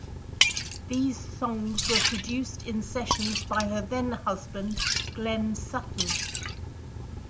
These songs were produced in sessions by her then husband Glenn Sutton.